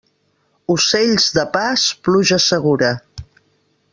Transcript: Ocells de pas, pluja segura.